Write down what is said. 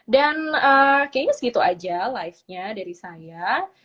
dan kayaknya segitu aja livenya dari saya